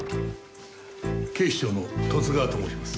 警視庁の十津川と申します。